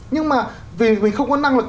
nhưng mà vì mình không có năng lực